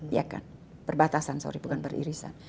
iya kan berbatasan sorry bukan beririsan